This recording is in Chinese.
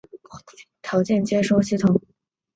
条件接收系统。